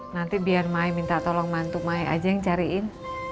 nanti biar may minta tolong mantu mai aja yang cariin